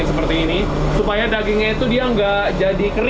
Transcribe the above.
tidak pelihara pada untuk memakan bu ghazib di jakarta